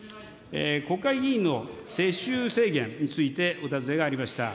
国会議員の世襲制限についてお尋ねがありました。